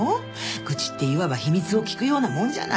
愚痴っていわば秘密を聞くようなもんじゃない。